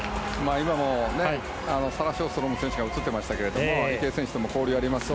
今もサラ・ショーストロム選手が映ってましたけれども池江選手と交流がありますね。